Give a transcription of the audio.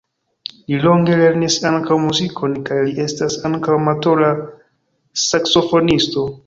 Li longe lernis ankaŭ muzikon kaj li estas ankaŭ amatora saksofonisto.